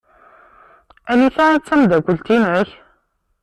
Anita i d tamdakelt-inek?